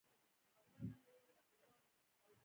چې وخوري او وڅکي دا حقیقت دی.